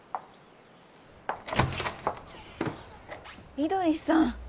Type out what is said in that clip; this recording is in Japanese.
翠さん。